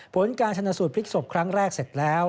ผลการชนะสูตรพลิกศพครั้งแรกเสร็จแล้ว